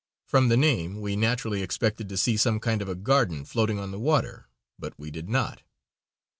From the name we naturally expected to see some kind of a garden floating on the water; but we did not.